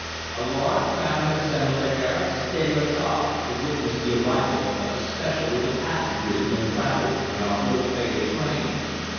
A large crowd had assembled at Gare St. Lazare to witness the arrival of the special with the passengers who had travelled in our ill fated train.